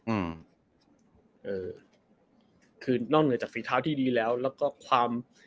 อืมอืมเออคือนอกจากฝีเท้าที่ดีแล้วแล้วก็ความ